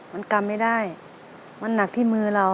มันกำไม่ได้